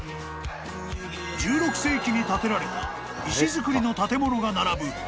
［１６世紀に建てられた石造りの建物が並ぶ